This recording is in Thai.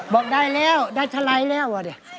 บอกได้แล้วได้เฉล็นแล้วคะ